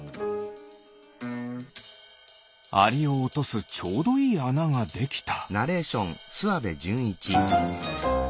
アリをおとすちょうどいいあなができた。